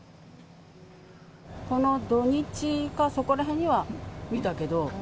この土日か、そこらへんには見たけど。